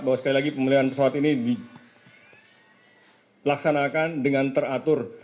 bahwa sekali lagi pembelian pesawat ini dilaksanakan dengan teratur